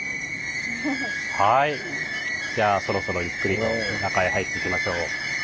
はいじゃあそろそろゆっくりと中へ入っていきましょう。